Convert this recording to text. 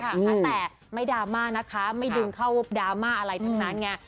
แต่ไม่ดราม่านะคะไม่ดึงเข้าดราม่าอะไรทั้งนั้นไง